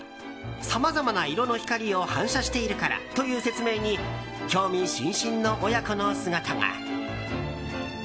さまざまな色の光を反射しているからという説明に興味津々の親子の姿が。